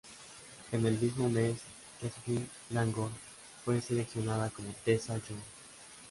En el mismo mes, Josephine Langford fue seleccionada como Tessa Young.